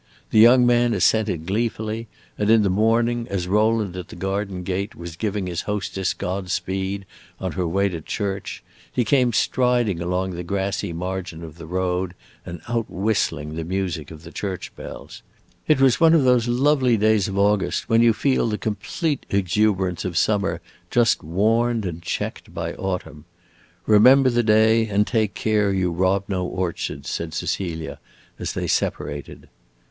The young man assented gleefully, and in the morning, as Rowland at the garden gate was giving his hostess Godspeed on her way to church, he came striding along the grassy margin of the road and out whistling the music of the church bells. It was one of those lovely days of August when you feel the complete exuberance of summer just warned and checked by autumn. "Remember the day, and take care you rob no orchards," said Cecilia, as they separated.